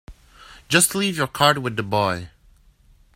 Just leave your card with the boy.